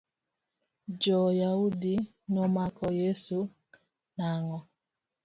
Joyaudi nomako Yeso nang'o?